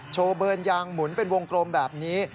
เบิร์นยางหมุนเป็นวงกลมแบบนี้